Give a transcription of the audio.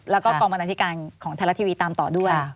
และกรองบันดาลทิการของไทยรัฐทีวีตามต่อด้วย